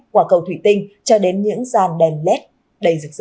quả cầu thủy tinh cho đến những dàn đèn led đầy rực rỡ